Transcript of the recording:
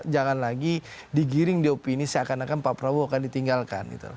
jangan lagi digiring di opini seakan akan pak prabowo akan ditinggalkan